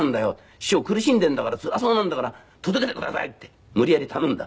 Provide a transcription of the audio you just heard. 「師匠苦しんでるんだからつらそうなんだから届けてください」って無理やり頼んだ。